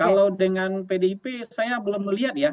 kalau dengan pdip saya belum melihat ya